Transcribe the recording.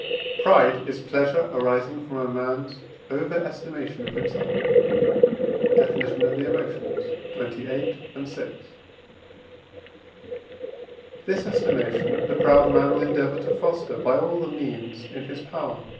Pride is pleasure arising from a man's over estimation of himself (Def. of the Emotions, xxviii. and vi.); this estimation the proud man will endeavour to foster by all the means in his power (III.